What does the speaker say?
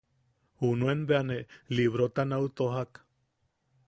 Junuen bea ne librota nau tojak.